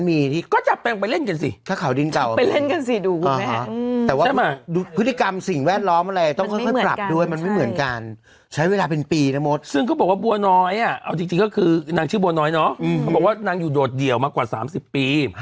มีชื่อบัวน้อยเนาะเขาบอกว่านั่งอยู่โดดเดี่ยวมากกว่า๓๐ปี